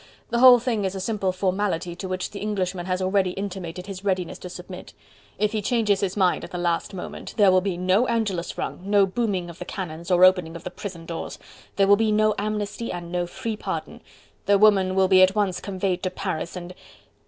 The whole thing is a simple formality to which the Englishman has already intimated his readiness to submit. If he changes his mind at the last moment there will be no Angelus rung, no booming of the cannons or opening of the prison doors: there will be no amnesty, and no free pardon. The woman will be at once conveyed to Paris, and...